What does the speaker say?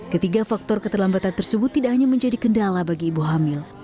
ketiga faktor keterlambatan tersebut tidak hanya menjadi kendala bagi ibu hamil